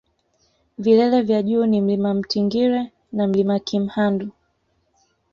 vilele vya juu ni mlima mtingire na mlima kimhandu